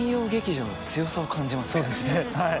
そうですねはい。